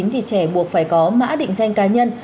trẻ buộc phải có mã định danh cá nhân